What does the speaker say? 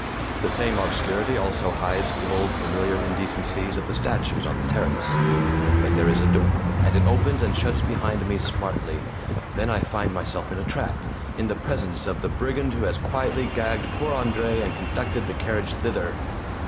The same obscurity also hides the old familiar indecencies of the statues on the terrace; but there is a door, and it opens and shuts behind me smartly. Then I find myself in a trap, in the presence of the brigand who has quietly gagged poor Andre and conducted the carriage thither.